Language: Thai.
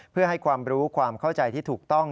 เพื่อให้ความรู้ความเข้าใจที่ถูกต้อง